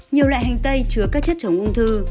nhiều loại hành tây chứa các chất chống ung thư